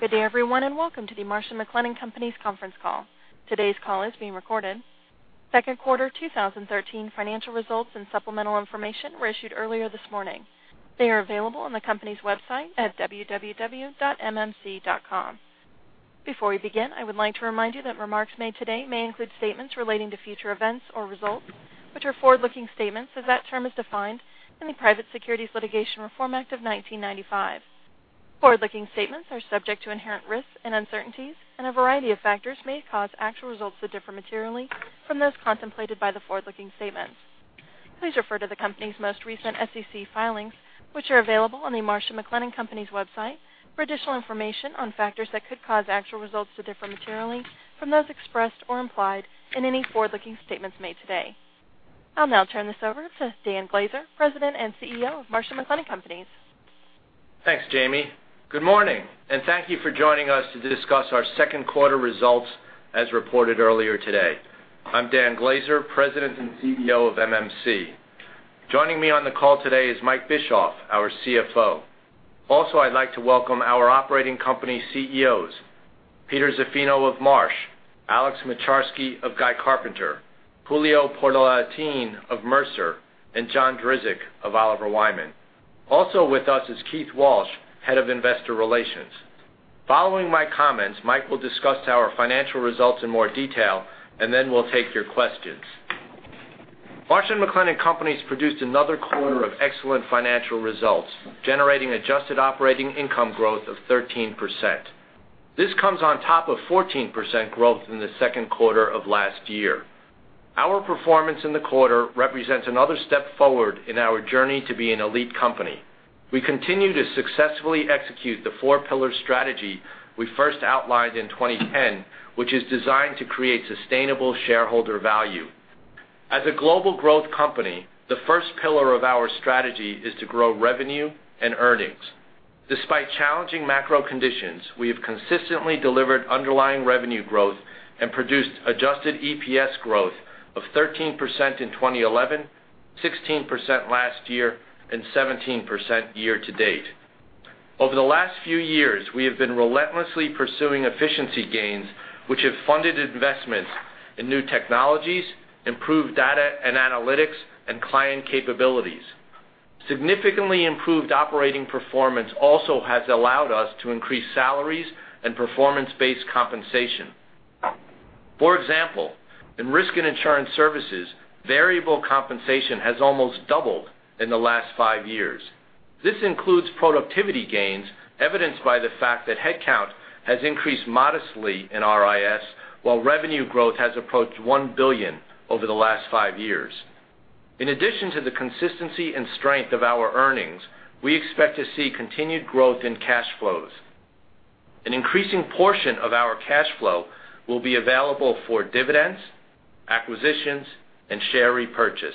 Good day everyone, welcome to the Marsh & McLennan Companies conference call. Today's call is being recorded. Second quarter 2013 financial results and supplemental information were issued earlier this morning. They are available on the company's website at www.mmc.com. Before we begin, I would like to remind you that remarks made today may include statements relating to future events or results, which are forward-looking statements as that term is defined in the Private Securities Litigation Reform Act of 1995. Forward-looking statements are subject to inherent risks and uncertainties, a variety of factors may cause actual results to differ materially from those contemplated by the forward-looking statements. Please refer to the company's most recent SEC filings, which are available on the Marsh & McLennan Companies website for additional information on factors that could cause actual results to differ materially from those expressed or implied in any forward-looking statements made today. I'll now turn this over to Dan Glaser, President and CEO of Marsh & McLennan Companies. Thanks, Jamie. Good morning, thank you for joining us to discuss our second quarter results, as reported earlier today. I'm Dan Glaser, President and CEO of MMC. Joining me on the call today is Mike Bischoff, our CFO. I'd like to welcome our Operating Company CEOs, Peter Zaffino of Marsh, Alex Moczarski of Guy Carpenter, Julio of Mercer, and John Drzik of Oliver Wyman. With us is Keith Walsh, Head of Investor Relations. Following my comments, Mike will discuss our financial results in more detail, then we'll take your questions. Marsh & McLennan Companies produced another quarter of excellent financial results, generating adjusted operating income growth of 13%. This comes on top of 14% growth in the second quarter of last year. Our performance in the quarter represents another step forward in our journey to be an elite company. We continue to successfully execute the four pillar strategy we first outlined in 2010, which is designed to create sustainable shareholder value. As a global growth company, the first pillar of our strategy is to grow revenue and earnings. Despite challenging macro conditions, we have consistently delivered underlying revenue growth and produced adjusted EPS growth of 13% in 2011, 16% last year, and 17% year to date. Over the last few years, we have been relentlessly pursuing efficiency gains, which have funded investments in new technologies, improved data and analytics, and client capabilities. Significantly improved operating performance also has allowed us to increase salaries and performance-based compensation. For example, in Risk & Insurance Services, variable compensation has almost doubled in the last five years. This includes productivity gains, evidenced by the fact that headcount has increased modestly in RIS, while revenue growth has approached $1 billion over the last five years. In addition to the consistency and strength of our earnings, we expect to see continued growth in cash flows. An increasing portion of our cash flow will be available for dividends, acquisitions, and share repurchase.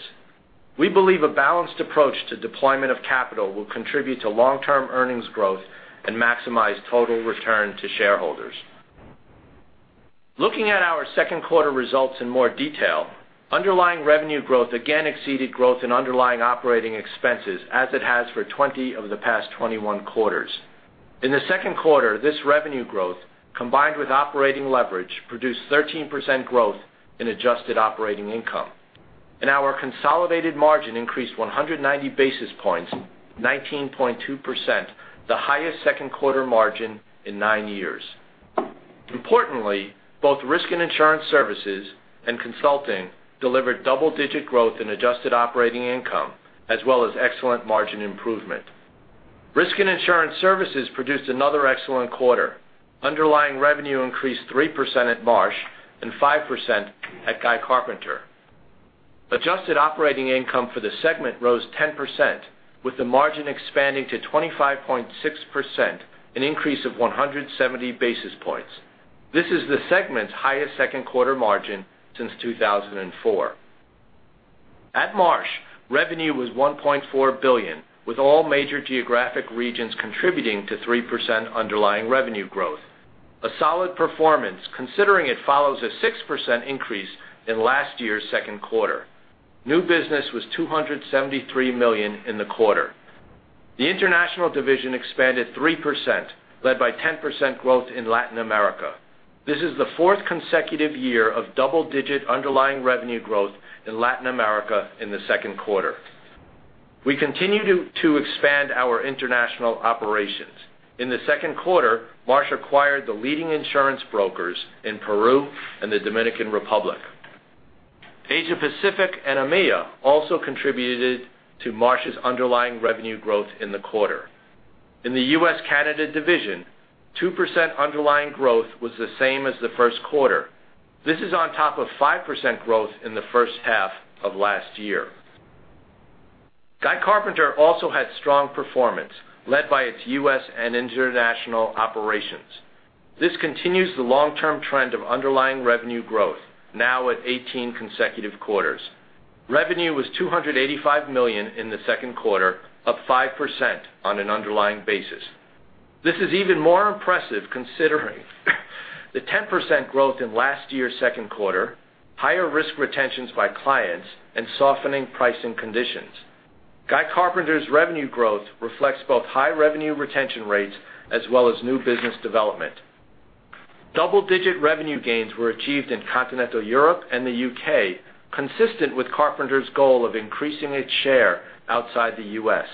We believe a balanced approach to deployment of capital will contribute to long-term earnings growth and maximize total return to shareholders. Looking at our second quarter results in more detail, underlying revenue growth again exceeded growth in underlying operating expenses as it has for 20 of the past 21 quarters. In the second quarter, this revenue growth, combined with operating leverage, produced 13% growth in adjusted operating income. Our consolidated margin increased 190 basis points, 19.2%, the highest second quarter margin in nine years. Importantly, both Risk and Insurance Services and Consulting delivered double-digit growth in adjusted operating income, as well as excellent margin improvement. Risk and Insurance Services produced another excellent quarter. Underlying revenue increased 3% at Marsh and 5% at Guy Carpenter. Adjusted operating income for the segment rose 10%, with the margin expanding to 25.6%, an increase of 170 basis points. This is the segment's highest second quarter margin since 2004. At Marsh, revenue was $1.4 billion, with all major geographic regions contributing to 3% underlying revenue growth. A solid performance considering it follows a 6% increase in last year's second quarter. New business was $273 million in the quarter. The international division expanded 3%, led by 10% growth in Latin America. This is the fourth consecutive year of double-digit underlying revenue growth in Latin America in the second quarter. We continue to expand our international operations. In the second quarter, Marsh acquired the leading insurance brokers in Peru and the Dominican Republic. Asia Pacific and EMEA also contributed to Marsh's underlying revenue growth in the quarter. In the U.S. and Canada Division, 2% underlying growth was the same as the first quarter. This is on top of 5% growth in the first half of last year. Guy Carpenter also had strong performance led by its U.S. and international operations. This continues the long-term trend of underlying revenue growth, now at 18 consecutive quarters. Revenue was $285 million in the second quarter, up 5% on an underlying basis. This is even more impressive considering the 10% growth in last year's second quarter, higher risk retentions by clients, and softening pricing conditions. Guy Carpenter's revenue growth reflects both high revenue retention rates as well as new business development. Double-digit revenue gains were achieved in continental Europe and the U.K., consistent with Carpenter's goal of increasing its share outside the U.S.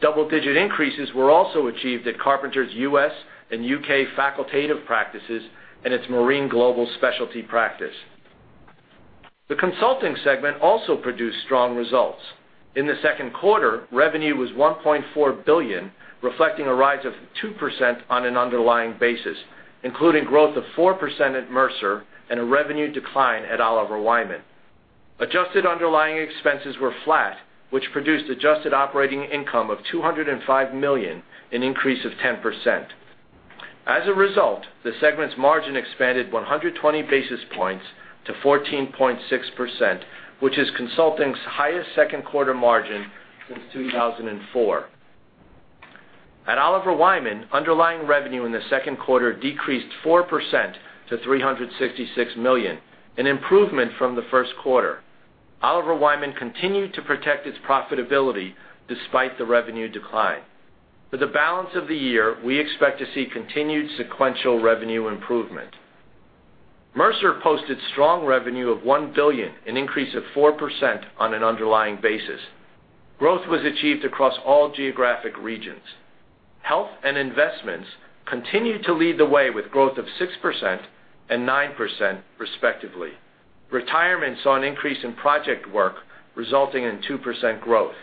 Double-digit increases were also achieved at Carpenter's U.S. and U.K. facultative practices and its Marine global specialty practice. The consulting segment also produced strong results. In the second quarter, revenue was $1.4 billion, reflecting a rise of 2% on an underlying basis, including growth of 4% at Mercer and a revenue decline at Oliver Wyman. Adjusted underlying expenses were flat, which produced adjusted operating income of $205 million, an increase of 10%. As a result, the segment's margin expanded 120 basis points to 14.6%, which is consulting's highest second quarter margin since 2004. At Oliver Wyman, underlying revenue in the second quarter decreased 4% to $366 million, an improvement from the first quarter. Oliver Wyman continued to protect its profitability despite the revenue decline. For the balance of the year, we expect to see continued sequential revenue improvement. Mercer posted strong revenue of $1 billion, an increase of 4% on an underlying basis. Growth was achieved across all geographic regions. Health and investments continued to lead the way with growth of 6% and 9% respectively. Retirement saw an increase in project work, resulting in 2% growth.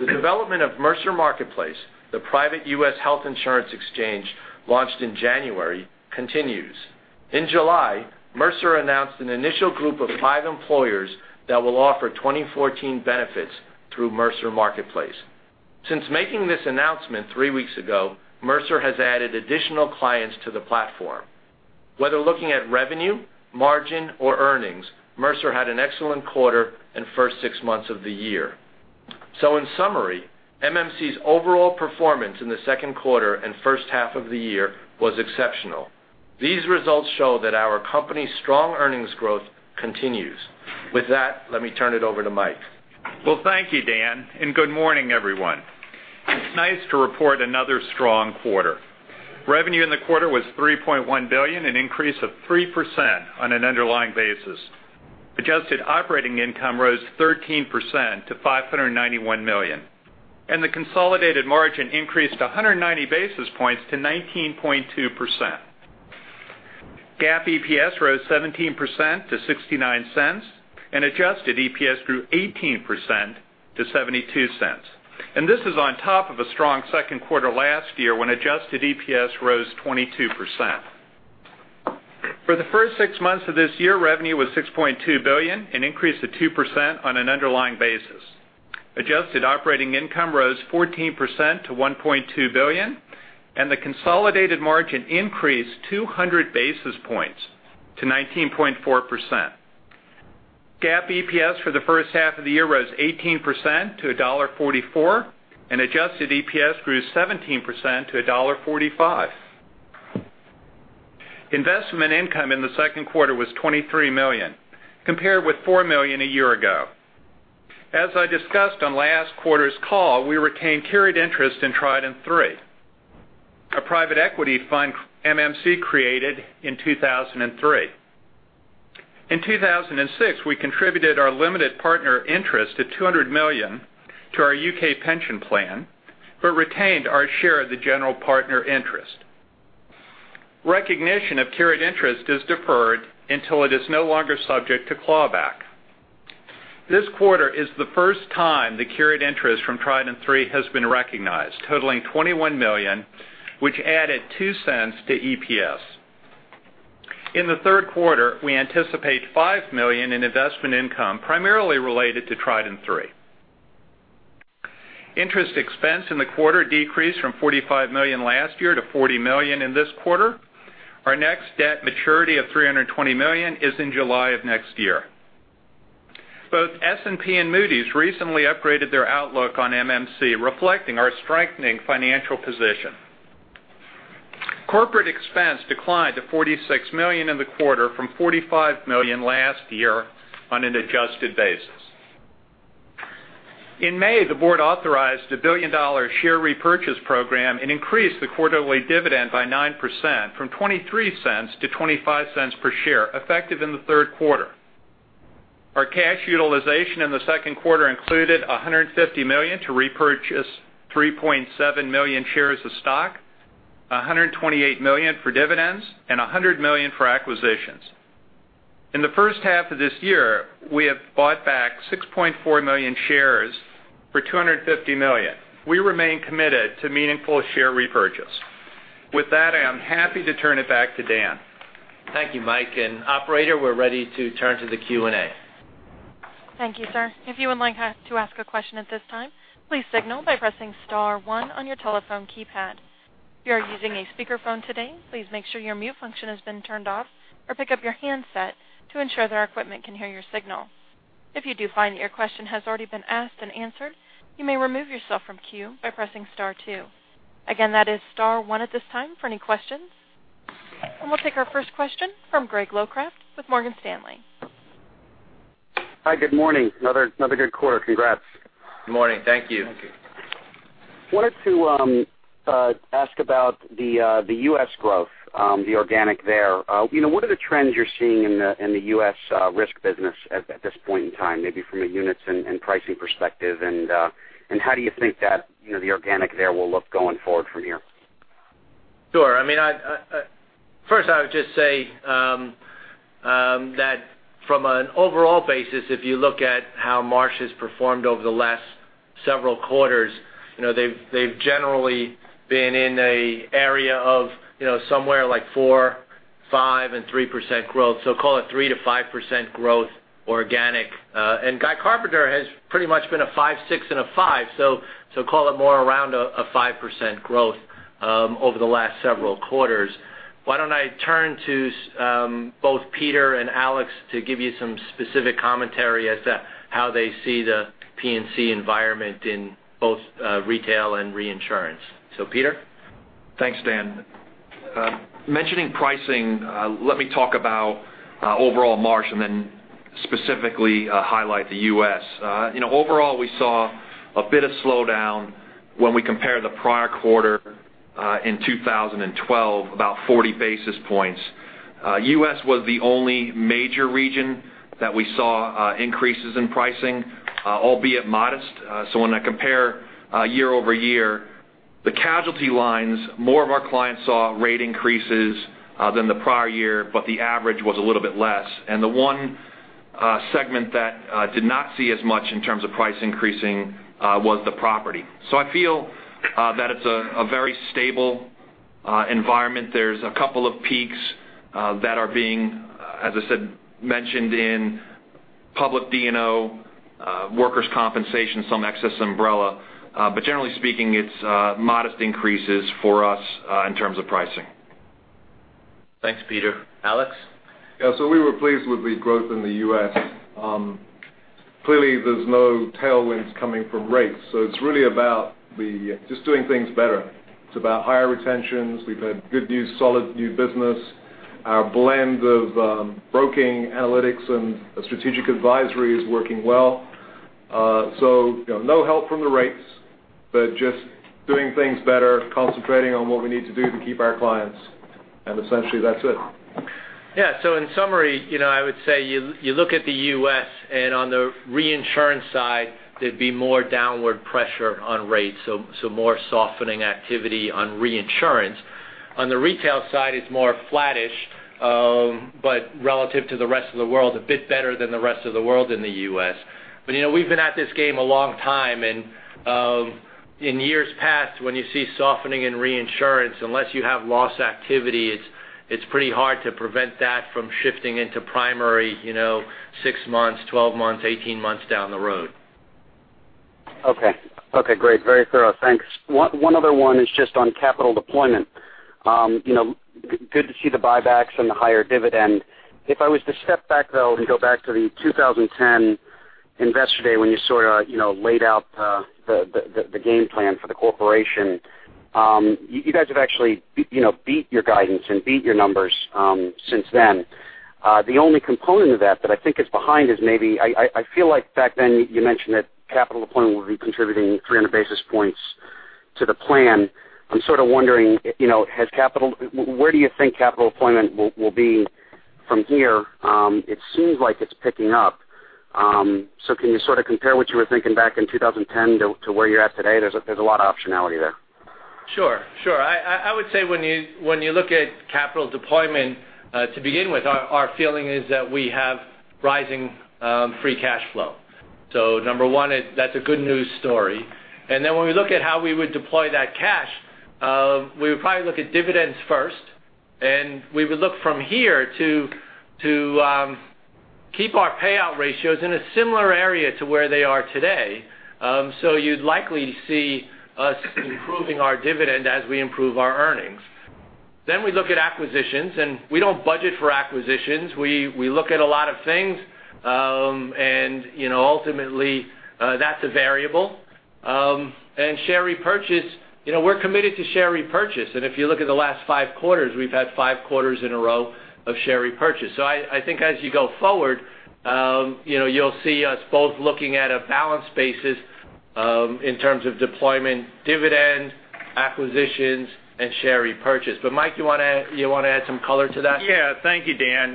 The development of Mercer Marketplace, the private U.S. health insurance exchange launched in January, continues. In July, Mercer announced an initial group of five employers that will offer 2014 benefits through Mercer Marketplace. Since making this announcement three weeks ago, Mercer has added additional clients to the platform. Whether looking at revenue, margin, or earnings, Mercer had an excellent quarter and first six months of the year. In summary, MMC's overall performance in the second quarter and first half of the year was exceptional. These results show that our company's strong earnings growth continues. With that, let me turn it over to Mike. Thank you, Dan, and good morning, everyone. It's nice to report another strong quarter. Revenue in the quarter was $3.1 billion, an increase of 3% on an underlying basis. Adjusted operating income rose 13% to $591 million, and the consolidated margin increased 190 basis points to 19.2%. GAAP EPS rose 17% to $0.69, and adjusted EPS grew 18% to $0.72. This is on top of a strong second quarter last year when adjusted EPS rose 22%. For the first six months of this year, revenue was $6.2 billion, an increase of 2% on an underlying basis. Adjusted operating income rose 14% to $1.2 billion, and the consolidated margin increased 200 basis points to 19.4%. GAAP EPS for the first half of the year rose 18% to $1.44, and adjusted EPS grew 17% to $1.45. Investment income in the second quarter was $23 million, compared with $4 million a year ago. As I discussed on last quarter's call, we retained carried interest in Trident III, a private equity fund MMC created in 2003. In 2006, we contributed our limited partner interest of $200 million to our U.K. pension plan, but retained our share of the general partner interest. Recognition of carried interest is deferred until it is no longer subject to clawback. This quarter is the first time the carried interest from Trident III has been recognized, totaling $21 million, which added $0.02 to EPS. In the third quarter, we anticipate $5 million in investment income, primarily related to Trident III. Interest expense in the quarter decreased from $45 million last year to $40 million in this quarter. Our next debt maturity of $320 million is in July of next year. Both S&P and Moody's recently upgraded their outlook on MMC, reflecting our strengthening financial position. Corporate expense declined to $46 million in the quarter from $45 million last year on an adjusted basis. In May, the board authorized a billion-dollar share repurchase program and increased the quarterly dividend by 9%, from $0.23 to $0.25 per share, effective in the third quarter. Our cash utilization in the second quarter included $150 million to repurchase 3.7 million shares of stock, $128 million for dividends, and $100 million for acquisitions. In the first half of this year, we have bought back 6.4 million shares for $250 million. We remain committed to meaningful share repurchase. With that, I am happy to turn it back to Dan. Thank you, Mike. Operator, we're ready to turn to the Q&A. Thank you, sir. If you would like to ask a question at this time, please signal by pressing star one on your telephone keypad. If you are using a speakerphone today, please make sure your mute function has been turned off or pick up your handset to ensure that our equipment can hear your signal. If you do find that your question has already been asked and answered, you may remove yourself from queue by pressing star two. Again, that is star one at this time for any questions. We'll take our first question from Greg Locraft with Morgan Stanley. Hi, good morning. Another good quarter. Congrats. Good morning. Thank you. Wanted to ask about the U.S. growth, the organic there. What are the trends you're seeing in the U.S. risk business at this point in time, maybe from a units and pricing perspective, and how do you think that the organic there will look going forward from here? Sure. First, I would just say that from an overall basis, if you look at how Marsh has performed over the last several quarters, they've generally been in an area of somewhere like 4%, 5% and 3% growth, so call it 3%-5% growth organic. Guy Carpenter has pretty much been a 5%, 6% and a 5%, so call it more around a 5% growth over the last several quarters. Why don't I turn to both Peter and Alex to give you some specific commentary as to how they see the P&C environment in both retail and reinsurance. Peter? Thanks, Dan. Mentioning pricing, let me talk about overall Marsh and then specifically highlight the U.S. Overall, we saw a bit of slowdown when we compare the prior quarter in 2012, about 40 basis points. The U.S. was the only major region that we saw increases in pricing, albeit modest. When I compare year-over-year, the casualty lines, more of our clients saw rate increases than the prior year, but the average was a little bit less, and the one segment that did not see as much in terms of price increasing was the property. I feel that it's a very stable environment. There's a couple of peaks that are being, as I said, mentioned in public D&O, workers' compensation, some excess umbrella. Generally speaking, it's modest increases for us in terms of pricing. Thanks, Peter. Alex? Yeah. We were pleased with the growth in the U.S. Clearly, there's no tailwinds coming from rates, so it's really about just doing things better. It's about higher retentions. We've had good news, solid new business. Our blend of broking analytics and strategic advisory is working well. No help from the rates, but just doing things better, concentrating on what we need to do to keep our clients, and essentially that's it. Yeah. In summary, I would say you look at the U.S. and on the reinsurance side, there'd be more downward pressure on rates, so more softening activity on reinsurance. On the retail side, it's more flattish, but relative to the rest of the world, a bit better than the rest of the world in the U.S. We've been at this game a long time, and in years past, when you see softening in reinsurance, unless you have loss activity, it's pretty hard to prevent that from shifting into primary 6 months, 12 months, 18 months down the road. Okay. Okay, great. Very thorough. Thanks. One other one is just on capital deployment. Good to see the buybacks and the higher dividend. If I was to step back, though, and go back to the 2010 Investor Day, when you sort of laid out the game plan for the corporation, you guys have actually beat your guidance and beat your numbers since then. The only component of that that I think is behind is maybe I feel like back then you mentioned that capital deployment will be contributing 300 basis points to the plan. I'm sort of wondering, where do you think capital deployment will be from here? It seems like it's picking up. Can you sort of compare what you were thinking back in 2010 to where you're at today? There's a lot of optionality there. Sure. I would say when you look at capital deployment, to begin with, our feeling is that we have rising free cash flow. Number one, that's a good news story. When we look at how we would deploy that cash, we would probably look at dividends first, and we would look from here to keep our payout ratios in a similar area to where they are today. You'd likely see us improving our dividend as we improve our earnings. We look at acquisitions, and we don't budget for acquisitions. We look at a lot of things, and ultimately, that's a variable. Share repurchase, we're committed to share repurchase, and if you look at the last five quarters, we've had five quarters in a row of share repurchase. I think as you go forward, you'll see us both looking at a balanced basis in terms of deployment, dividend, acquisitions, and share repurchase. Mike, you want to add some color to that? Yeah. Thank you, Dan.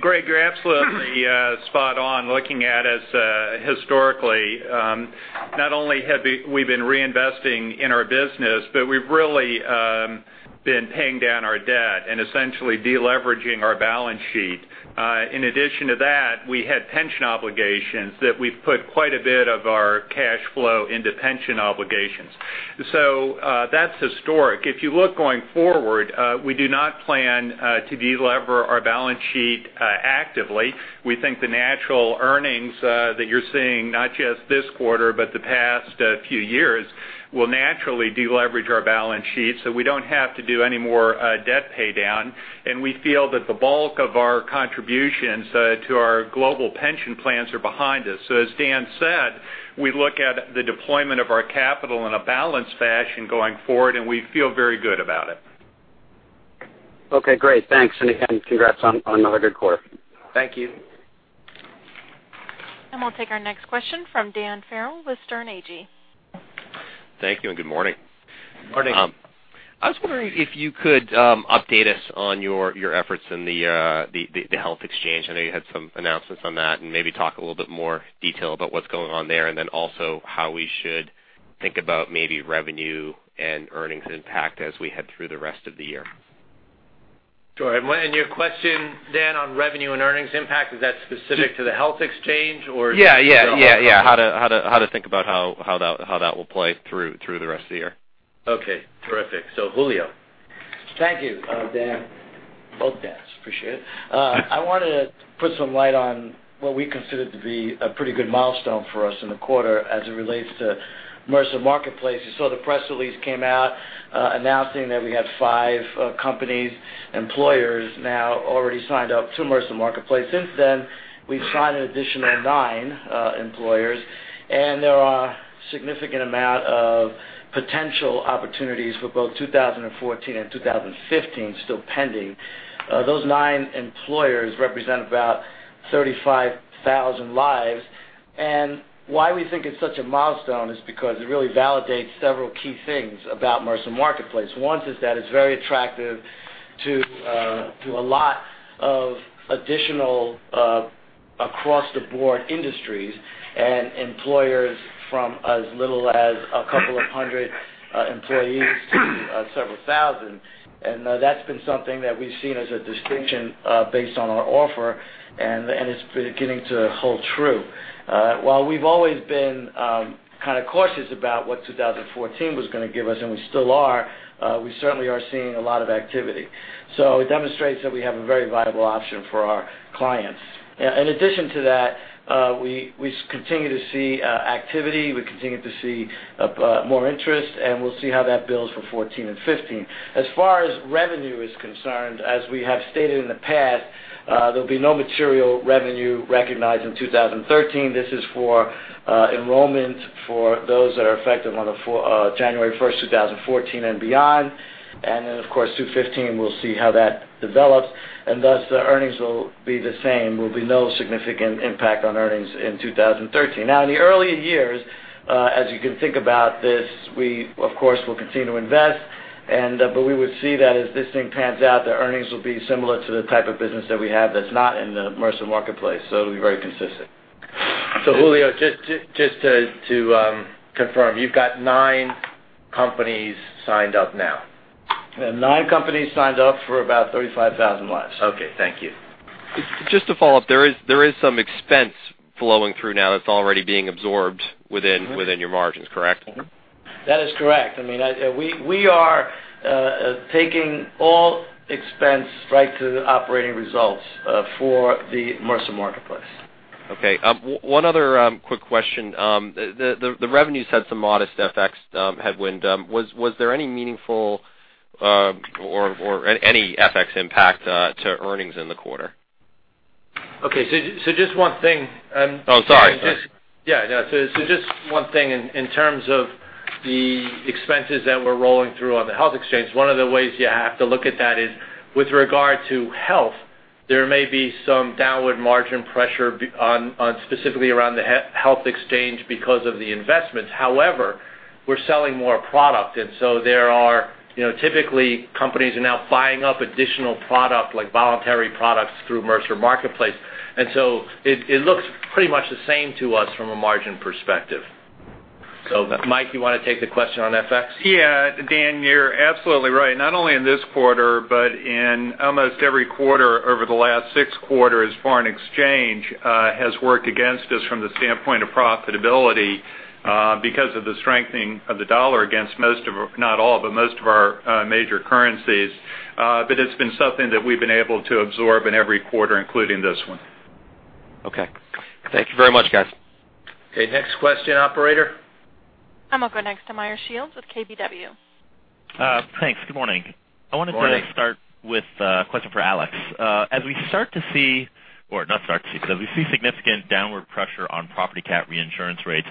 Greg, you're absolutely spot on looking at us historically. Not only have we been reinvesting in our business, but we've really been paying down our debt and essentially deleveraging our balance sheet. In addition to that, we had pension obligations that we've put quite a bit of our cash flow into pension obligations. That's historic. If you look going forward, we do not plan to delever our balance sheet actively. We think the natural earnings that you're seeing, not just this quarter, but the past few years, will naturally deleverage our balance sheet, so we don't have to do any more debt pay down, and we feel that the bulk of our contributions to our global pension plans are behind us. As Dan said, we look at the deployment of our capital in a balanced fashion going forward, and we feel very good about it. Okay, great. Thanks. Again, congrats on another good quarter. Thank you. We'll take our next question from Dan Farrell with Sterne Agee. Thank you and good morning. Morning. I was wondering if you could update us on your efforts in the health exchange. I know you had some announcements on that, maybe talk a little bit more detail about what's going on there, then also how we should think about maybe revenue and earnings impact as we head through the rest of the year. Sure. Your question, Dan, on revenue and earnings impact, is that specific to the health exchange or-? Yeah. How to think about how that will play through the rest of the year. Okay, terrific. Julio. Thank you, Dan. Both Dans. Appreciate it. I wanted to put some light on what we consider to be a pretty good milestone for us in the quarter as it relates to Mercer Marketplace. You saw the press release came out, announcing that we have five companies, employers now already signed up to Mercer Marketplace. Since then, we've signed an additional nine employers, there are significant amount of potential opportunities for both 2014 and 2015 still pending. Those nine employers represent about 35,000 lives. Why we think it's such a milestone is because it really validates several key things about Mercer Marketplace. One is that it's very attractive to a lot of additional across-the-board industries and employers from as little as a couple of hundred employees to several thousand. That's been something that we've seen as a distinction based on our offer, and it's beginning to hold true. While we've always been kind of cautious about what 2014 was going to give us, and we still are, we certainly are seeing a lot of activity. It demonstrates that we have a very viable option for our clients. In addition to that, we continue to see activity, we continue to see more interest, and we'll see how that builds for 2014 and 2015. As far as revenue is concerned, as we have stated in the past, there'll be no material revenue recognized in 2013. This is for enrollment for those that are effective on January first, 2014 and beyond. Then, of course, 2015, we'll see how that develops. Thus the earnings will be the same. There will be no significant impact on earnings in 2013. Now, in the earlier years, as you can think about this, we of course will continue to invest, but we would see that as this thing pans out, the earnings will be similar to the type of business that we have that's not in the Mercer Marketplace. It'll be very consistent. Julio, just to confirm, you've got nine companies signed up now? Nine companies signed up for about 35,000 lives. Okay. Thank you. Just to follow up, there is some expense flowing through now that's already being absorbed within your margins, correct? That is correct. We are taking all expense right to the operating results for the Mercer Marketplace. Okay. One other quick question. The revenues had some modest FX headwind. Was there any meaningful or any FX impact to earnings in the quarter? Okay, just one thing. Sorry. Yeah. Just one thing in terms of the expenses that we're rolling through on the health exchange, one of the ways you have to look at that is with regard to health, there may be some downward margin pressure specifically around the health exchange because of the investments. However, we're selling more product and typically companies are now buying up additional product, like voluntary products, through Mercer Marketplace. It looks pretty much the same to us from a margin perspective. Mike, you want to take the question on FX? Yeah. Dan, you're absolutely right. Not only in this quarter, in almost every quarter over the last six quarters, foreign exchange has worked against us from the standpoint of profitability because of the strengthening of the dollar against most of our, not all, but most of our major currencies. It's been something that we've been able to absorb in every quarter, including this one. Okay. Thank you very much, guys. Okay, next question, operator. I'm going to go next to Meyer Shields with KBW. Thanks. Good morning. Morning. I wanted to start with a question for Alex. As we start to see, or not start to see, because we see significant downward pressure on property cat reinsurance rates,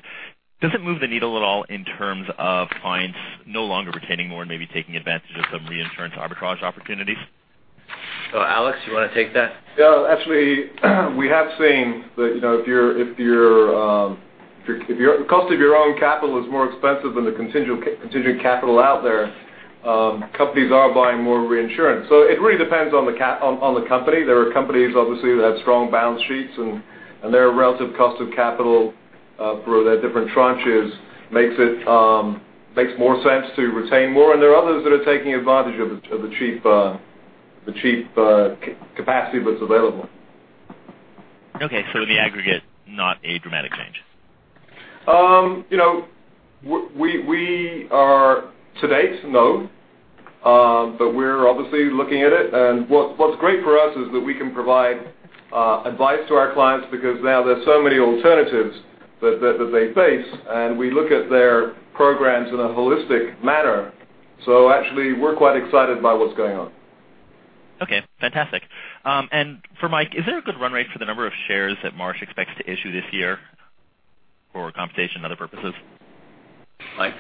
does it move the needle at all in terms of clients no longer retaining more and maybe taking advantage of some reinsurance arbitrage opportunities? Alex, you want to take that? Actually, we have seen that if your cost of your own capital is more expensive than the contingent capital out there, companies are buying more reinsurance. It really depends on the company. There are companies obviously that have strong balance sheets and their relative cost of capital for their different tranches makes more sense to retain more, there are others that are taking advantage of the cheap capacity that's available. Okay, in the aggregate, not a dramatic change. To date, no. We're obviously looking at it and what's great for us is that we can provide advice to our clients because now there's so many alternatives that they face, we look at their programs in a holistic manner. Actually, we're quite excited by what's going on. Okay, fantastic. For Mike, is there a good run rate for the number of shares that Marsh expects to issue this year for compensation and other purposes? Mike?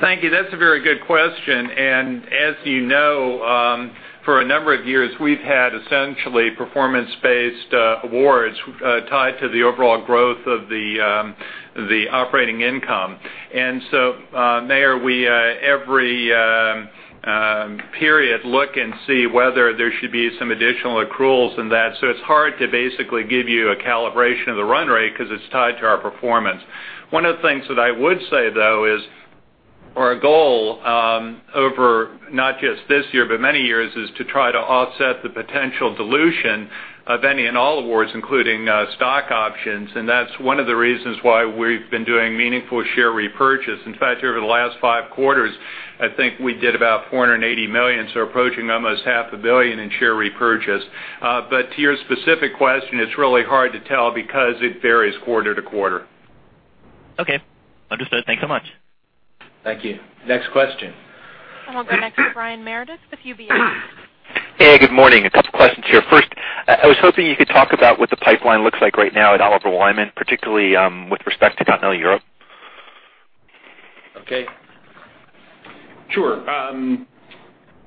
Thank you. That's a very good question. As you know, for a number of years we've had essentially performance-based awards tied to the overall growth of the operating income. Meyer, we, every period, look and see whether there should be some additional accruals in that. It's hard to basically give you a calibration of the run rate because it's tied to our performance. One of the things that I would say, though, is our goal, over not just this year but many years, is to try to offset the potential dilution of any and all awards, including stock options. That's one of the reasons why we've been doing meaningful share repurchase. In fact, over the last five quarters, I think we did about $480 million, so approaching almost half a billion in share repurchase. To your specific question, it's really hard to tell because it varies quarter to quarter. Okay, understood. Thanks so much. Thank you. Next question. We'll go next to Brian Meredith with UBS. Hey, good morning. A couple of questions here. First, I was hoping you could talk about what the pipeline looks like right now at Oliver Wyman, particularly with respect to continental Europe. Okay. Sure.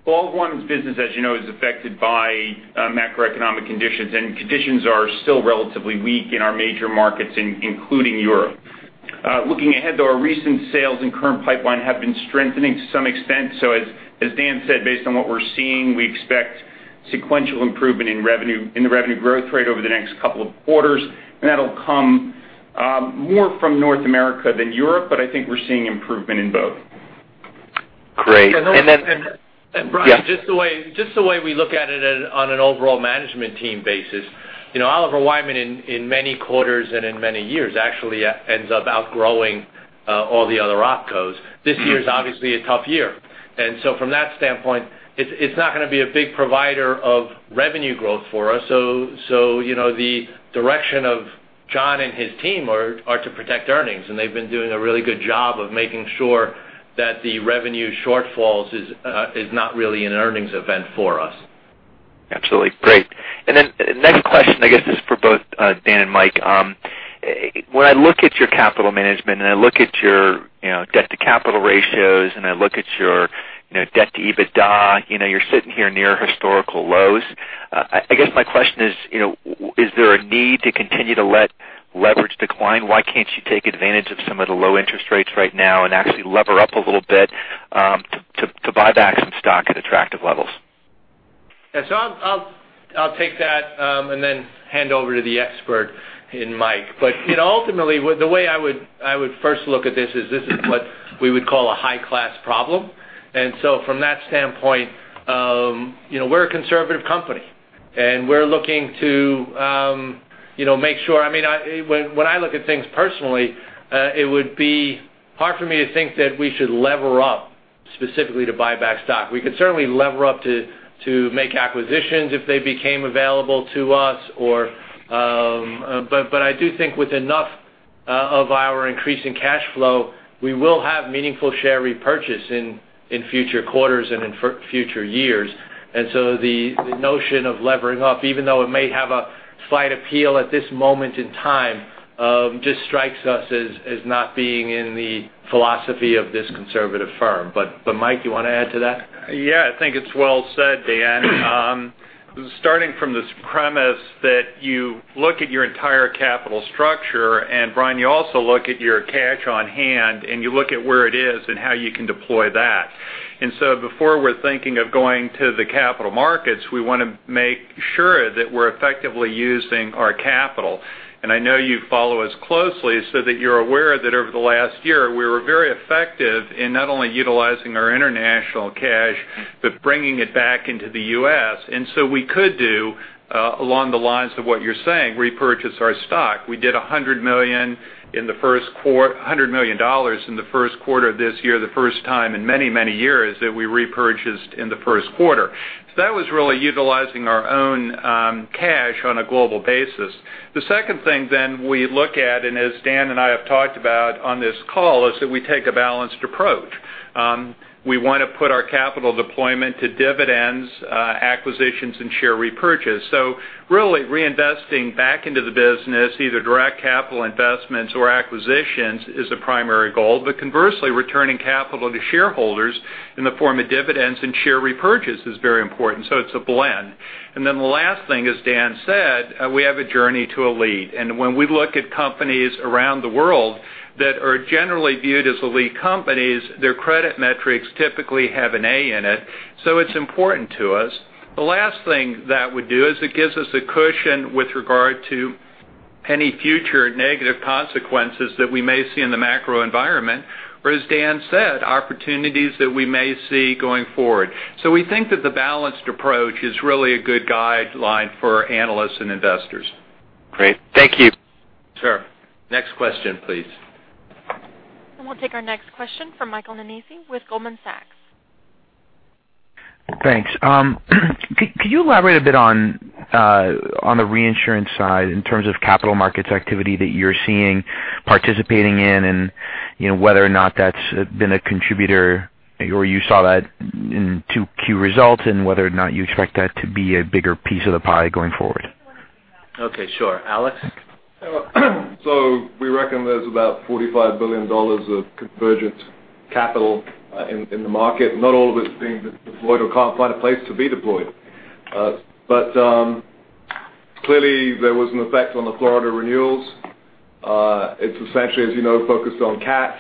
Oliver Wyman's business, as you know, is affected by macroeconomic conditions, and conditions are still relatively weak in our major markets, including Europe. Looking ahead, though, our recent sales and current pipeline have been strengthening to some extent. As Dan said, based on what we're seeing, we expect sequential improvement in the revenue growth rate over the next couple of quarters, and that'll come more from North America than Europe, but I think we're seeing improvement in both. Great. Brian. Yeah. Just the way we look at it on an overall management team basis, Oliver Wyman in many quarters and in many years actually ends up outgrowing all the other OpCos. This year is obviously a tough year. From that standpoint, it's not going to be a big provider of revenue growth for us. The direction of John and his team are to protect earnings. They've been doing a really good job of making sure that the revenue shortfalls is not really an earnings event for us. Absolutely. Great. Next question, I guess, is for both Dan and Mike. When I look at your capital management and I look at your debt to capital ratios, and I look at your debt to EBITDA, you're sitting here near historical lows. I guess my question is there a need to continue to let leverage decline? Why can't you take advantage of some of the low interest rates right now and actually lever up a little bit to buy back some stock at attractive levels? Yeah. I'll take that and then hand over to the expert in Mike. Ultimately, the way I would first look at this is what we would call a high-class problem. From that standpoint, we're a conservative company, and we're looking to make sure when I look at things personally, it would be hard for me to think that we should lever up specifically to buy back stock. We could certainly lever up to make acquisitions if they became available to us. I do think with enough of our increasing cash flow, we will have meaningful share repurchase in future quarters and in future years. The notion of levering up, even though it may have a slight appeal at this moment in time, just strikes us as not being in the philosophy of this conservative firm. Mike, you want to add to that? Yeah, I think it's well said, Dan. Starting from this premise that you look at your entire capital structure, Brian, you also look at your cash on hand, and you look at where it is and how you can deploy that. Before we're thinking of going to the capital markets, we want to make sure that we're effectively using our capital. I know you follow us closely so that you're aware that over the last year, we were very effective in not only utilizing our international cash but bringing it back into the U.S. We could do, along the lines of what you're saying, repurchase our stock. We did $100 million in the first quarter this year, the first time in many, many years that we repurchased in the first quarter. That was really utilizing our own cash on a global basis. The second thing then we look at, as Dan and I have talked about on this call, is that we take a balanced approach. We want to put our capital deployment to dividends, acquisitions, and share repurchase. Really reinvesting back into the business, either direct capital investments or acquisitions is a primary goal. Conversely, returning capital to shareholders in the form of dividends and share repurchase is very important. It's a blend. The last thing, as Dan said, we have a journey to elite. When we look at companies around the world that are generally viewed as elite companies, their credit metrics typically have an A in it. It's important to us. The last thing that would do is it gives us a cushion with regard to any future negative consequences that we may see in the macro environment, or as Dan said, opportunities that we may see going forward. We think that the balanced approach is really a good guideline for analysts and investors. Great. Thank you. Sure. Next question, please. We'll take our next question from Michael Nannizzi with Goldman Sachs. Thanks. Could you elaborate a bit on the reinsurance side in terms of capital markets activity that you're seeing participating in and whether or not that's been a contributor or you saw that in 2Q results and whether or not you expect that to be a bigger piece of the pie going forward? Okay, sure. Alex? We reckon there's about $45 billion of convergent capital in the market, not all of it is being deployed or can't find a place to be deployed. Clearly, there was an effect on the Florida renewals. It's essentially, as you know, focused on cat.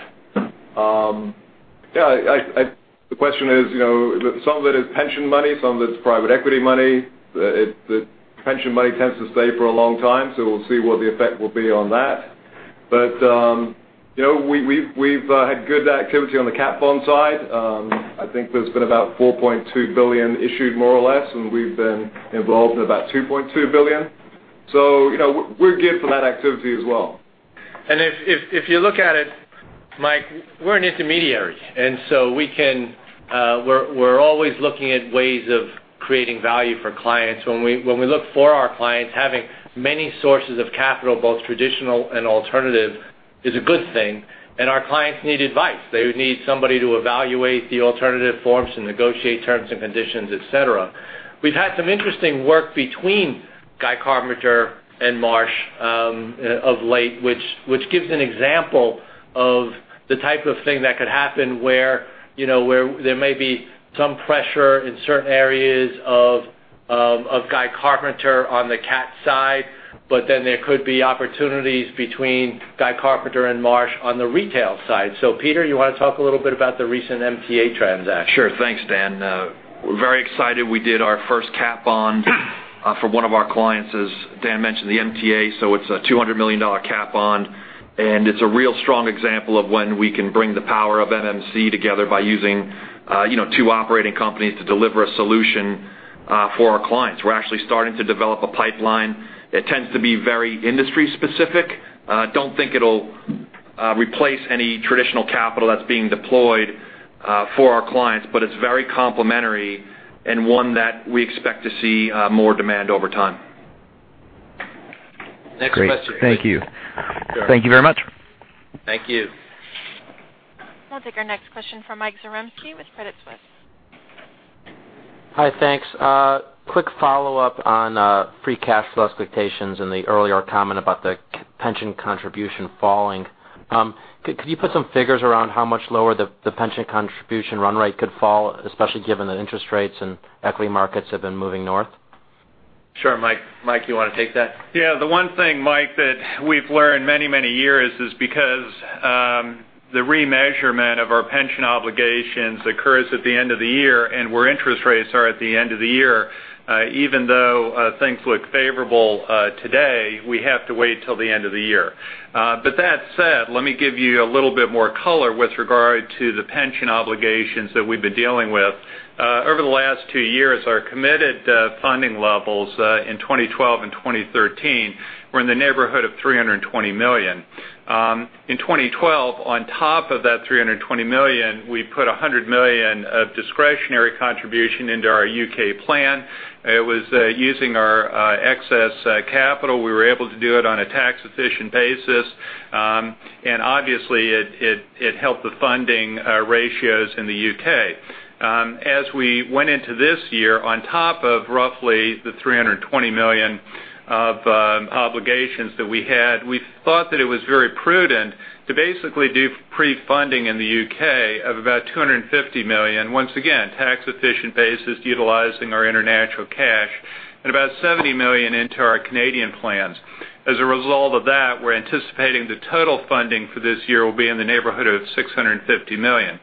The question is, some of it is pension money, some of it's private equity money. The pension money tends to stay for a long time, we'll see what the effect will be on that. We've had good activity on the catastrophe bond side. I think there's been about $4.2 billion issued, more or less, and we've been involved in about $2.2 billion. We're good for that activity as well. If you look at it, Mike, we're an intermediary. We're always looking at ways of creating value for clients. When we look for our clients, having many sources of capital, both traditional and alternative, is a good thing, and our clients need advice. They need somebody to evaluate the alternative forms and negotiate terms and conditions, et cetera. We've had some interesting work between Guy Carpenter and Marsh of late, which gives an example of the type of thing that could happen where there may be some pressure in certain areas of Guy Carpenter on the cat side. There could be opportunities between Guy Carpenter and Marsh on the retail side. Peter, you want to talk a little bit about the recent MTA transaction? Sure. Thanks, Dan. We're very excited we did our first catastrophe bond for one of our clients, as Dan mentioned, the MTA. It's a $200 million catastrophe bond, and it's a real strong example of when we can bring the power of MMC together by using two operating companies to deliver a solution for our clients. We're actually starting to develop a pipeline that tends to be very industry specific. Don't think it'll replace any traditional capital that's being deployed for our clients, but it's very complementary and one that we expect to see more demand over time. Next question. Great. Thank you. Sure. Thank you very much. Thank you. I'll take our next question from Michael Zaremski with Credit Suisse. Hi, thanks. Quick follow-up on free cash flow expectations in the earlier comment about the pension contribution falling. Could you put some figures around how much lower the pension contribution run rate could fall, especially given that interest rates and equity markets have been moving north? Sure. Mike, you want to take that? Yeah. The one thing, Mike, that we've learned many, many years is because the remeasurement of our pension obligations occurs at the end of the year and where interest rates are at the end of the year, even though things look favorable today, we have to wait till the end of the year. That said, let me give you a little bit more color with regard to the pension obligations that we've been dealing with. Over the last two years, our committed funding levels in 2012 and 2013 were in the neighborhood of $320 million. In 2012, on top of that $320 million, we put $100 million of discretionary contribution into our U.K. plan. It was using our excess capital. We were able to do it on a tax-efficient basis. Obviously, it helped the funding ratios in the U.K. As we went into this year, on top of roughly the $320 million of obligations that we had, we thought that it was very prudent to basically do pre-funding in the U.K. of about $250 million. Once again, tax efficient basis utilizing our international cash and about $70 million into our Canadian plans. As a result of that, we're anticipating the total funding for this year will be in the neighborhood of $650 million.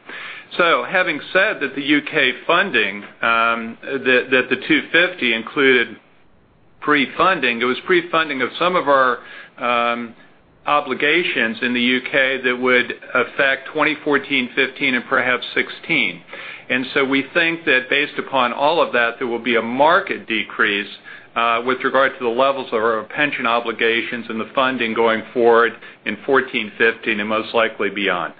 Having said that the U.K. funding, that the $250 included pre-funding, it was pre-funding of some of our obligations in the U.K. that would affect 2014, 2015, and perhaps 2016. We think that based upon all of that, there will be a market decrease with regard to the levels of our pension obligations and the funding going forward in 2014, 2015, and most likely beyond.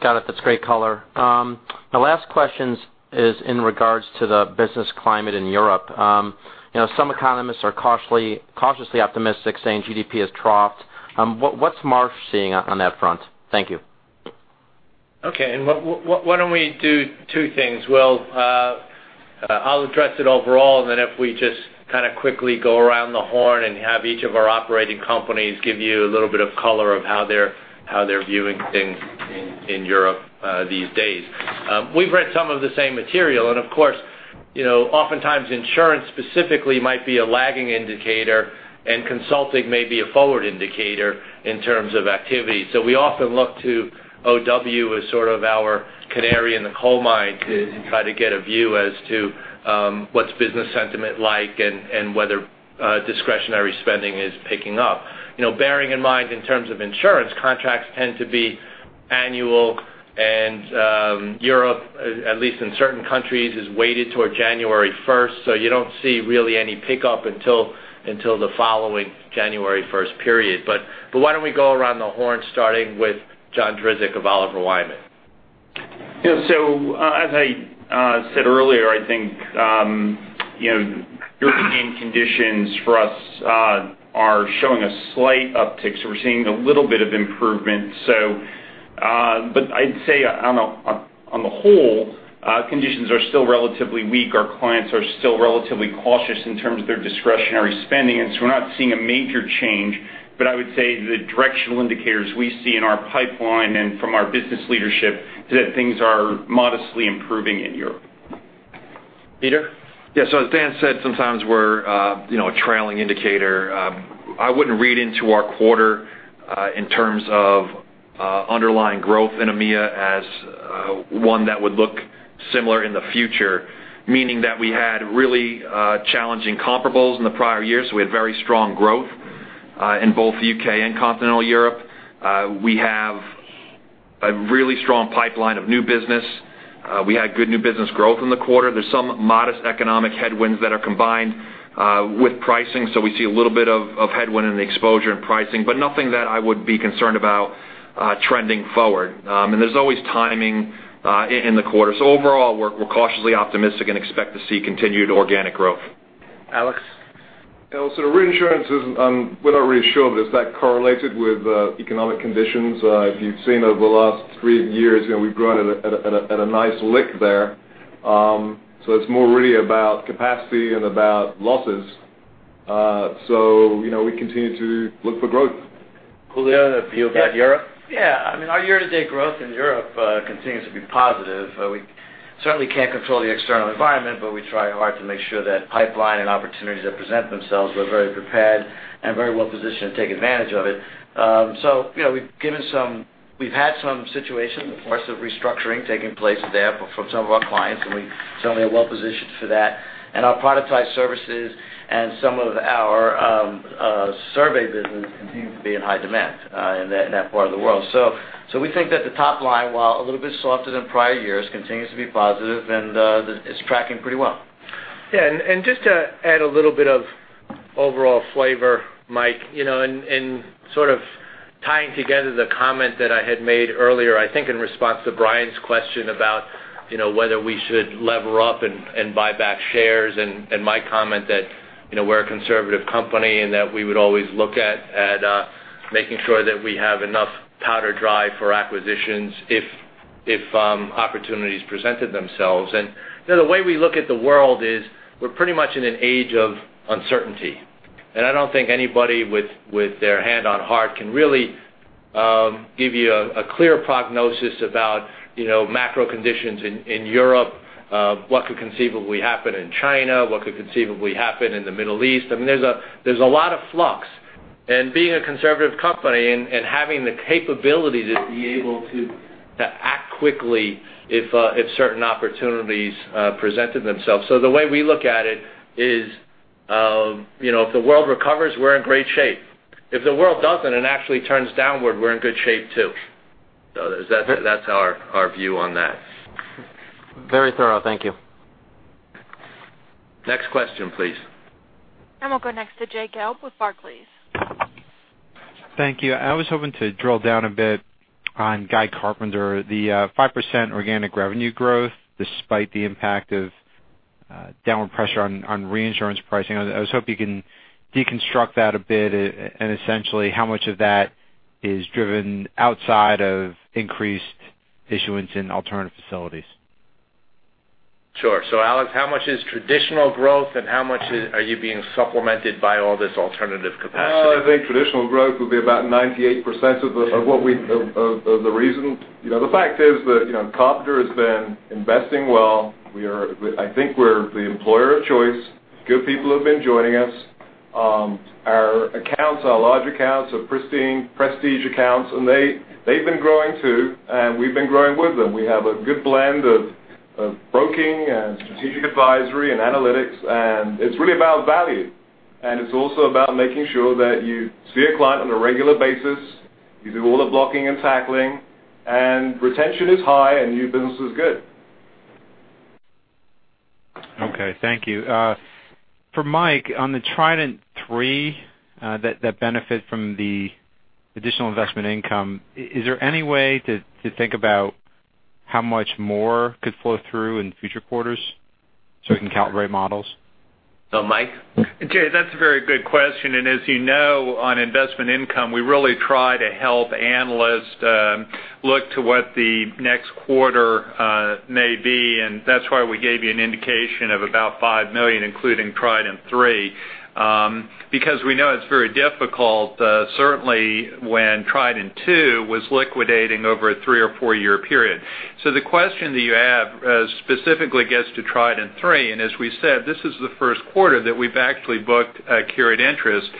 Got it. That's great color. My last question is in regards to the business climate in Europe. Some economists are cautiously optimistic, saying GDP has troughed. What's Marsh seeing on that front? Thank you. Okay. Why don't we do two things? Well, I'll address it overall, and then if we just quickly go around the horn and have each of our Operating Companies give you a little bit of color of how they're viewing things in Europe these days. We've read some of the same material, and of course, oftentimes insurance specifically might be a lagging indicator and consulting may be a forward indicator in terms of activity. We often look to OW as sort of our canary in the coal mine to try to get a view as to what's business sentiment like and whether discretionary spending is picking up. Bearing in mind, in terms of insurance, contracts tend to be annual, and Europe, at least in certain countries, is weighted toward January 1, so you don't see really any pickup until the following January 1 period. Why don't we go around the horn, starting with John Drzik of Oliver Wyman. As I said earlier, I think European conditions for us are showing a slight uptick. We're seeing a little bit of improvement. I'd say on the whole, conditions are still relatively weak. Our clients are still relatively cautious in terms of their discretionary spending, and we're not seeing a major change. I would say the directional indicators we see in our pipeline and from our business leadership is that things are modestly improving in Europe. Peter? Yes. As Dan said, sometimes we're a trailing indicator. I wouldn't read into our quarter in terms of underlying growth in EMEA as one that would look similar in the future. Meaning that we had really challenging comparables in the prior years. We had very strong growth in both the U.K. and continental Europe. We have a really strong pipeline of new business. We had good new business growth in the quarter. There's some modest economic headwinds that are combined with pricing, so we see a little bit of headwind in the exposure in pricing. Nothing that I would be concerned about trending forward. There's always timing in the quarter. Overall, we're cautiously optimistic and expect to see continued organic growth. Alex? Reinsurance is, we're not really sure if that's correlated with economic conditions. If you've seen over the last three years, we've grown at a nice lick there. It's more really about capacity and about losses. We continue to look for growth. Julio, the view about Europe? Yeah. Our year-to-date growth in Europe continues to be positive. We certainly can't control the external environment, but we try hard to make sure that pipeline and opportunities that present themselves, we're very prepared and very well-positioned to take advantage of it. We've had some situations, of course, of restructuring taking place there from some of our clients, and we certainly are well positioned for that. Our productized services and some of our survey business continue to be in high demand in that part of the world. We think that the top line, while a little bit softer than prior years, continues to be positive and is tracking pretty well. Yeah. Just to add a little bit of overall flavor, Mike, in sort of tying together the comment that I had made earlier, I think in response to Brian's question about whether we should lever up and buy back shares and my comment that we're a conservative company and that we would always look at making sure that we have enough powder dry for acquisitions if opportunities presented themselves. The way we look at the world is we're pretty much in an age of uncertainty. I don't think anybody with their hand on heart can really give you a clear prognosis about macro conditions in Europe, what could conceivably happen in China, what could conceivably happen in the Middle East. There's a lot of flux, and being a conservative company and having the capability to be able to act quickly if certain opportunities presented themselves. The way we look at it is, if the world recovers, we're in great shape. If the world doesn't and actually turns downward, we're in good shape, too. That's our view on that. Very thorough. Thank you. Next question, please. We'll go next to Jay Gelb with Barclays. Thank you. I was hoping to drill down a bit on Guy Carpenter, the 5% organic revenue growth, despite the impact of downward pressure on reinsurance pricing. I was hoping you can deconstruct that a bit, and essentially, how much of that is driven outside of increased issuance in alternative facilities? Sure. Alex, how much is traditional growth and how much are you being supplemented by all this alternative capacity? I think traditional growth will be about 98% of the reason. The fact is that Carpenter has been investing well. I think we're the employer of choice. Good people have been joining us. Our accounts are large accounts, are pristine prestige accounts, and they've been growing too, and we've been growing with them. We have a good blend of broking and strategic advisory and analytics, and it's really about value. It's also about making sure that you see a client on a regular basis, you do all the blocking and tackling, and retention is high and new business is good. Okay, thank you. For Mike, on the Trident III, that benefit from the additional investment income, is there any way to think about how much more could flow through in future quarters so we can calibrate models? Mike? Jay, that's a very good question. As you know, on investment income, we really try to help analysts look to what the next quarter may be, and that's why we gave you an indication of about $5 million, including Trident III. We know it's very difficult, certainly when Trident II was liquidating over a three or four-year period. The question that you have specifically gets to Trident III. As we said, this is the first quarter that we've actually booked carried interest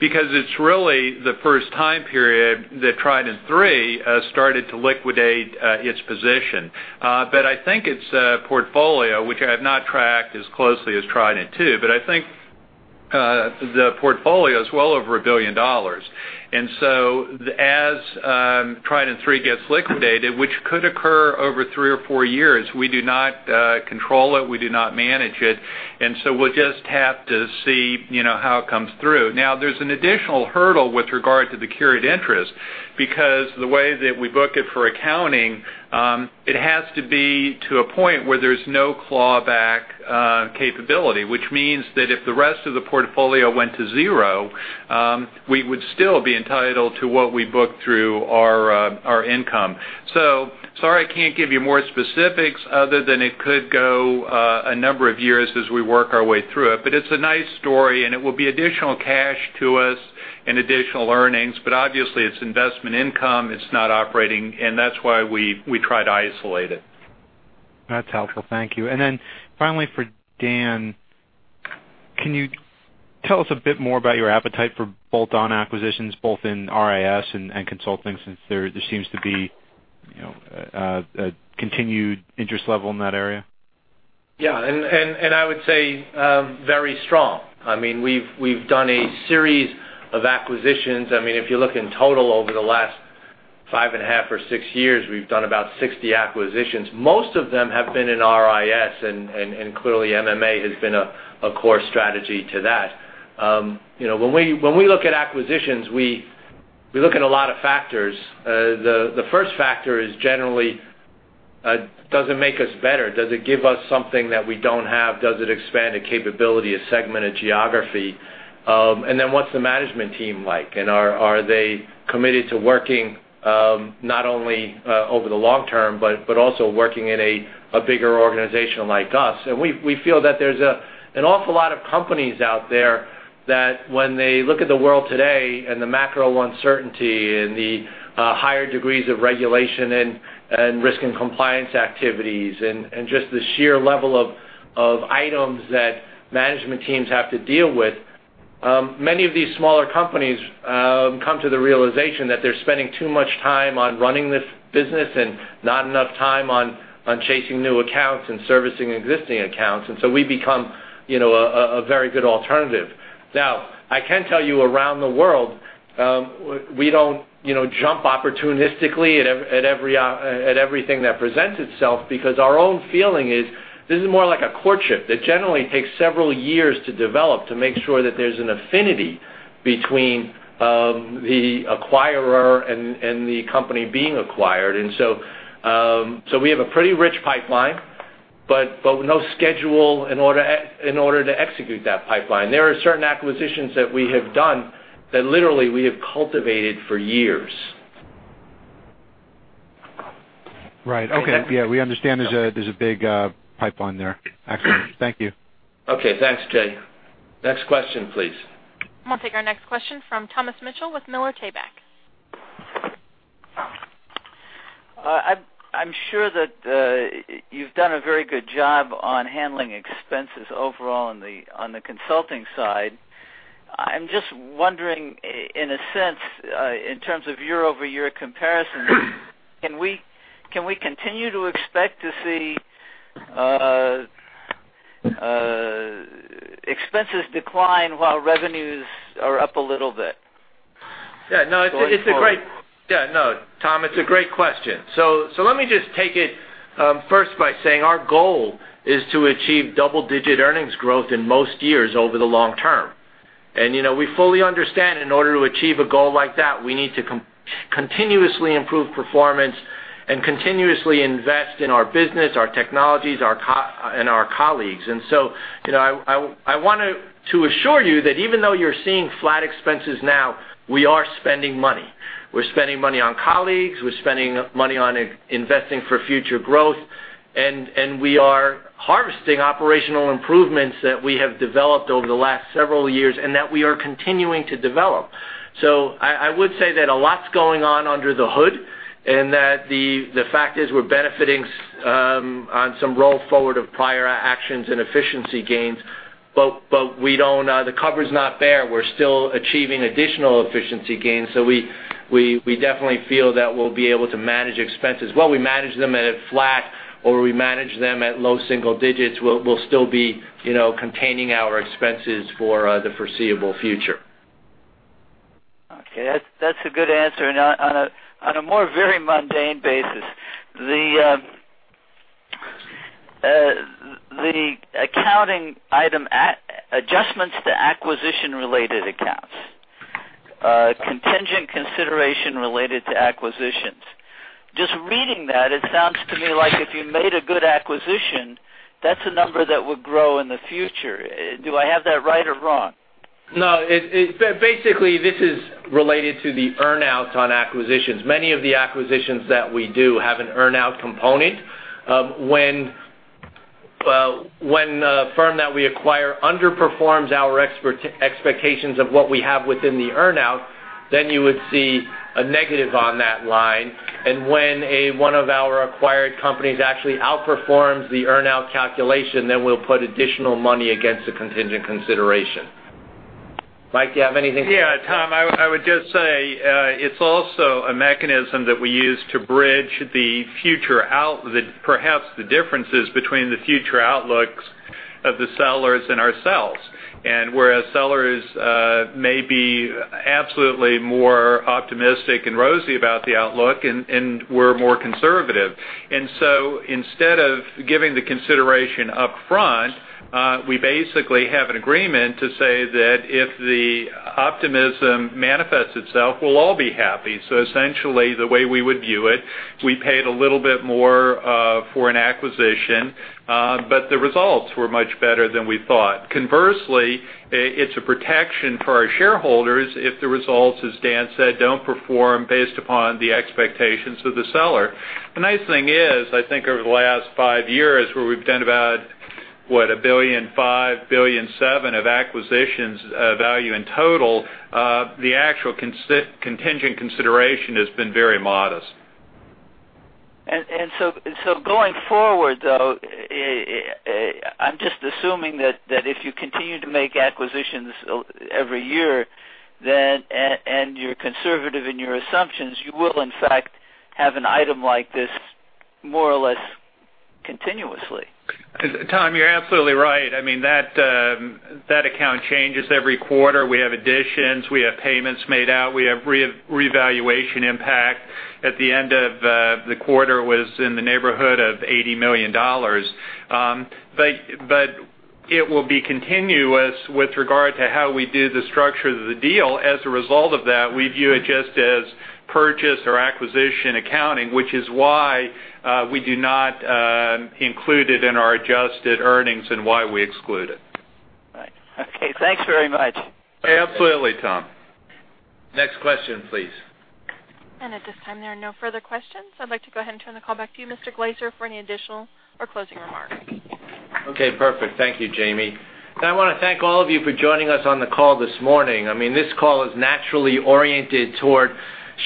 because it's really the first time period that Trident III started to liquidate its position. I think its portfolio, which I have not tracked as closely as Trident II, but I think the portfolio is well over a billion dollars. As Trident III, L.P. gets liquidated, which could occur over three or four years, we do not control it, we do not manage it, we'll just have to see how it comes through. There's an additional hurdle with regard to the carried interest, because the way that we book it for accounting, it has to be to a point where there's no clawback capability, which means that if the rest of the portfolio went to zero, we would still be entitled to what we booked through our income. Sorry, I can't give you more specifics other than it could go a number of years as we work our way through it. It's a nice story, and it will be additional cash to us and additional earnings. Obviously, it's investment income, it's not operating, and that's why we try to isolate it. That's helpful. Thank you. Finally for Dan, can you tell us a bit more about your appetite for bolt-on acquisitions, both in RIS and consulting, since there seems to be a continued interest level in that area? I would say, very strong. We've done a series of acquisitions. If you look in total over the last five and a half or six years, we've done about 60 acquisitions. Most of them have been in RIS, and clearly MMA has been a core strategy to that. When we look at acquisitions, we look at a lot of factors. The first factor is generally, does it make us better? Does it give us something that we don't have? Does it expand a capability, a segment of geography? What's the management team like? Are they committed to working, not only over the long term, but also working in a bigger organization like us? We feel that there's an awful lot of companies out there that when they look at the world today and the macro uncertainty and the higher degrees of regulation and risk and compliance activities and just the sheer level of items that management teams have to deal with, many of these smaller companies come to the realization that they're spending too much time on running this business and not enough time on chasing new accounts and servicing existing accounts. We become a very good alternative. I can tell you around the world, we don't jump opportunistically at everything that presents itself because our own feeling is this is more like a courtship that generally takes several years to develop to make sure that there's an affinity between the acquirer and the company being acquired. We have a pretty rich pipeline, but no schedule in order to execute that pipeline. There are certain acquisitions that we have done that literally we have cultivated for years. Right. Okay. Yeah, we understand there's a big pipeline there. Excellent. Thank you. Okay. Thanks, Jay. Next question, please. We'll take our next question from Thomas Mitchell with Miller Tabak. I'm sure that you've done a very good job on handling expenses overall on the consulting side. I'm just wondering, in a sense, in terms of year-over-year comparisons, can we continue to expect to see expenses decline while revenues are up a little bit? Yeah, no, Tom, it's a great question. Let me just take it first by saying our goal is to achieve double-digit earnings growth in most years over the long term. We fully understand in order to achieve a goal like that, we need to continuously improve performance and continuously invest in our business, our technologies, and our colleagues. I want to assure you that even though you're seeing flat expenses now, we are spending money. We're spending money on colleagues, we're spending money on investing for future growth, and we are harvesting operational improvements that we have developed over the last several years and that we are continuing to develop. I would say that a lot's going on under the hood, and that the fact is we're benefiting on some roll forward of prior actions and efficiency gains. The cover's not there. We're still achieving additional efficiency gains. We definitely feel that we'll be able to manage expenses. While we manage them at a flat or we manage them at low single digits, we'll still be containing our expenses for the foreseeable future. Okay. That's a good answer. On a more very mundane basis, the accounting item adjustments to acquisition-related accounts, contingent consideration related to acquisitions. Just reading that, it sounds to me like if you made a good acquisition, that's a number that would grow in the future. Do I have that right or wrong? No. Basically, this is related to the earn-outs on acquisitions. Many of the acquisitions that we do have an earn-out component. When a firm that we acquire underperforms our expectations of what we have within the earn-out, then you would see a negative on that line. When one of our acquired companies actually outperforms the earn-out calculation, then we'll put additional money against the contingent consideration. Mike, do you have anything? Yeah, Tom, I would just say it's also a mechanism that we use to bridge perhaps the differences between the future outlooks of the sellers and ourselves. Whereas sellers may be absolutely more optimistic and rosy about the outlook, and we're more conservative. Instead of giving the consideration upfront, we basically have an agreement to say that if the optimism manifests itself, we'll all be happy. Essentially, the way we would view it We paid a little bit more for an acquisition, but the results were much better than we thought. Conversely, it's a protection for our shareholders if the results, as Dan said, don't perform based upon the expectations of the seller. The nice thing is, I think over the last five years, where we've done about, what, $1.5 billion, $1.7 billion of acquisitions value in total, the actual contingent consideration has been very modest. Going forward, though, I'm just assuming that if you continue to make acquisitions every year, and you're conservative in your assumptions, you will, in fact, have an item like this more or less continuously. Tom, you're absolutely right. That account changes every quarter. We have additions. We have payments made out. We have revaluation impact. At the end of the quarter, it was in the neighborhood of $80 million. It will be continuous with regard to how we do the structure of the deal. As a result of that, we view it just as purchase or acquisition accounting, which is why we do not include it in our adjusted earnings and why we exclude it. Right. Okay, thanks very much. Absolutely, Tom. Next question, please. At this time, there are no further questions. I'd like to go ahead and turn the call back to you, Mr. Glaser, for any additional or closing remarks. Okay, perfect. Thank you, Jamie. I want to thank all of you for joining us on the call this morning. This call is naturally oriented toward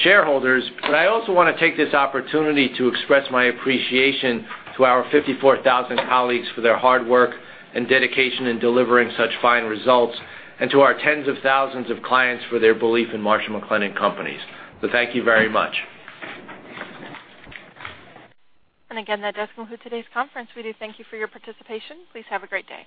shareholders, but I also want to take this opportunity to express my appreciation to our 54,000 colleagues for their hard work and dedication in delivering such fine results, and to our tens of thousands of clients for their belief in Marsh & McLennan Companies. Thank you very much. Again, that does conclude today's conference. We do thank you for your participation. Please have a great day.